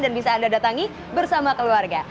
bisa anda datangi bersama keluarga